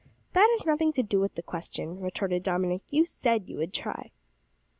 "That has nothing to do with the question," retorted Dominick, "you said you would try."